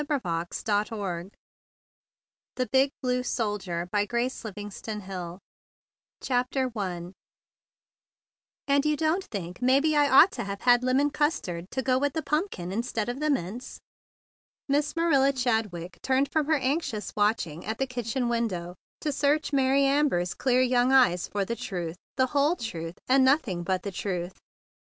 A. NAft 6 1923 < 1 THE BIG BLUE SOLDIER CHAPTER I "And you don't think maybe I ought to have had lemon custard to go with the pumpkin instead of the mince?" Miss Marilla Chadwick turned from her anxious watching at the kitchen window to search Mary Amber's clear young eyes for the truth, the whole truth, and nothing but the truth.